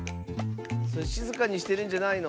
それしずかにしてるんじゃないの？